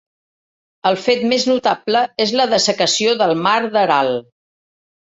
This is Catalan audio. El fet més notable és la dessecació del Mar d'Aral.